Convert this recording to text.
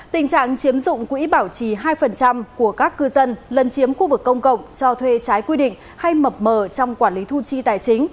tình trạng chiếm dụng quỹ bảo trì hai của các cư dân lần chiếm khu vực công cộng cho thuê trái quy định hay mập mờ trong quản lý thu chi tài chính